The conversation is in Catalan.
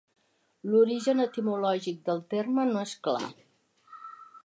L'origen etimològic del terme no és clar.